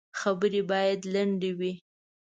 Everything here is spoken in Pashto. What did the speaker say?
خبري باید لنډي وي .